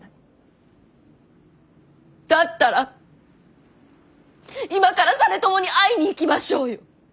だったら今から実朝に会いに行きましょうよ。